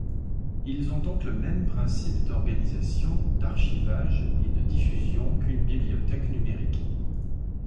Ils ont donc le même principe d'organisation, d'archivage et de diffusion qu'une bibliothèque numérique.